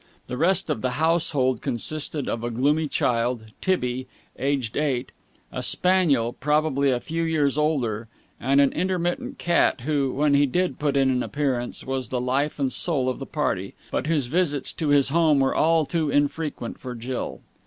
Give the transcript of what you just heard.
The rest of the household consisted of a gloomy child, "Tibby," aged eight; a spaniel, probably a few years older, and an intermittent cat, who, when he did put in an appearance, was the life and soul of the party, but whose visits to his home were all too infrequent for Jill.